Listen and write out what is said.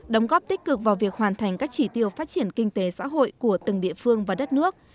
đóng góp tích cực vào việc hoàn thành các chỉ tiêu phát triển kinh tế xã hội của từng địa phương và đất nước